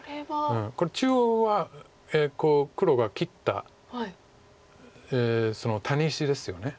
これ中央は黒が切ったタネ石ですよね。